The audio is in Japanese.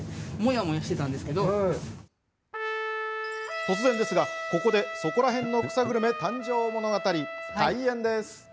突然ですが、ここでそこらへんの草グルメ誕生物語開演。